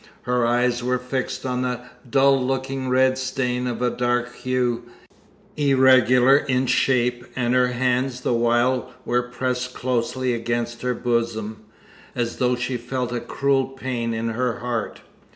Her eyes were fixed on a dull looking red stain of a dark hue, irregular in shape, and her hands the while were pressed closely against her bosom, as though she felt a cruel pain in her heart.